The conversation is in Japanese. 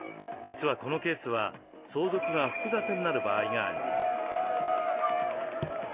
実はこのケースは相続が複雑になる場合があります。